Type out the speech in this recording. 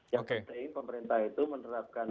yang penting pemerintah itu menerapkan